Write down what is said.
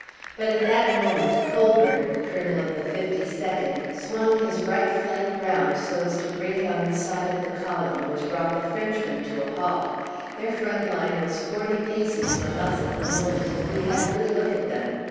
But at that moment Colburne, the colonel of the 52nd, swung his right flank round so as to bring it on the side of the column, which brought the Frenchmen to a halt. Their front line was forty paces from us at the moment, and we had a good look at them.